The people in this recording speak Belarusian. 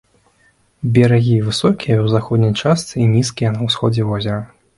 Берагі высокія ў заходняй частцы і нізкія на ўсходзе возера.